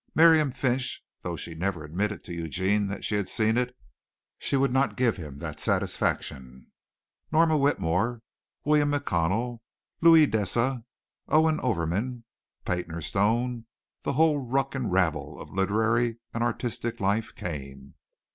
Miriam Finch (though she never admitted to Eugene that she had seen it she would not give him that satisfaction) Norma Whitmore, William McConnell, Louis Deesa, Owen Overman, Paynter Stone, the whole ruck and rabble of literary and artistic life, came.